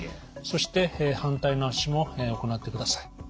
そして反対の足も行ってください。